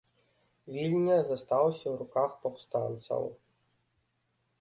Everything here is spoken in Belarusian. Вільня застаўся ў руках паўстанцаў.